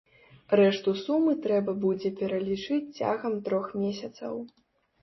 Рэшту сумы трэба будзе пералічыць цягам трох месяцаў.